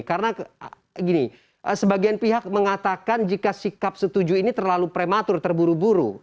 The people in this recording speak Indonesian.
karena sebagian pihak mengatakan jika sikap setuju ini terlalu prematur terburu buru